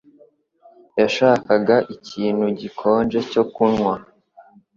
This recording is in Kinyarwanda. yashakaga ikintu gikonje cyo kunywa.